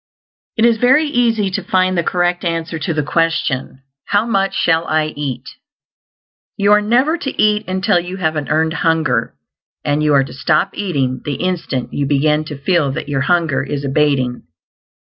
It is very easy to find the correct answer to the question, How much shall I eat? You are never to eat until you have an earned hunger, and you are to stop eating the instant you BEGIN to feel that your hunger is abating.